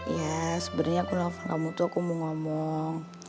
ya sebenarnya aku nelfon kamu tuh aku mau ngomong